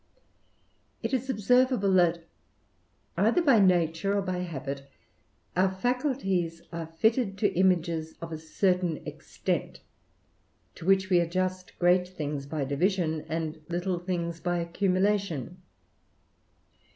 It is observable that, either by nature or by habit, our faculties are fitted to images of a certain extent, to which we adjust great things by division, and little things by accumula tion.